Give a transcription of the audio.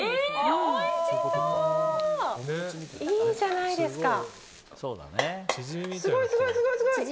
いいじゃないですか。